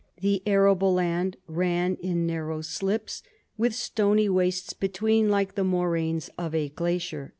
' The arable land ran in narrow slips,' with ' stony wastes between, like the moraines of a glacier.'